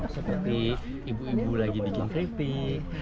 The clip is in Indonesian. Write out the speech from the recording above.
seperti ibu ibu lagi bikin keripik